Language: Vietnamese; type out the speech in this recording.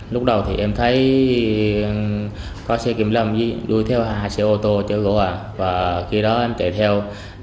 lúc đầu thì em thấy có xe kiểm lâm đuôi theo hai xe ô tô chở gỗ và khi đó em chạy theo